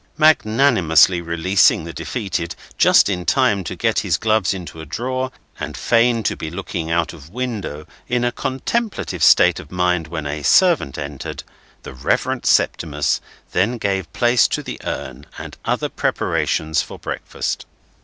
Magnanimously releasing the defeated, just in time to get his gloves into a drawer and feign to be looking out of window in a contemplative state of mind when a servant entered, the Reverend Septimus then gave place to the urn and other preparations for breakfast.